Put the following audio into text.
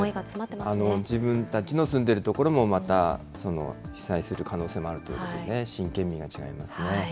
自分たちの住んでいる所もまたその被災する可能性もあるということでね、真剣みが違いますよね。